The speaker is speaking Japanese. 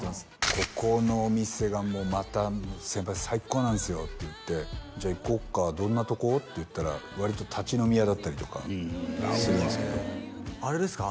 「ここのお店がもうまた先輩最高なんですよ」って言って「じゃあ行こっかどんなとこ？」って言ったら割と立ち飲み屋だったりとかするんですけどあれですか？